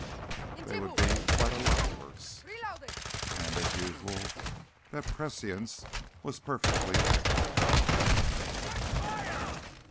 They would be quite a lot worse. And, as usual, that prescience was perfectly accurate.